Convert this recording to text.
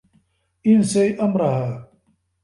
انسي أمرها.